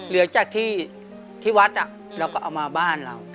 เหลือจากที่วัดเราก็เอามาบ้านเรา